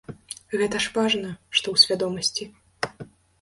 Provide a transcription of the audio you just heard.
Гэта ж важна, што ў свядомасці.